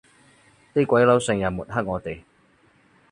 啲鬼佬成日抹黑我哋